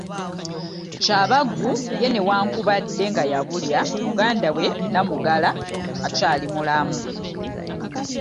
Kyabaggu ye newakubadde nga yabulya muganda we Namugala akyali mulamu.